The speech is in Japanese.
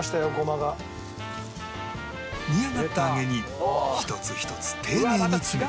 煮上がった揚げに一つ一つ丁寧に詰めていく